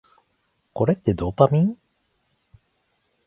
これってドーパミン？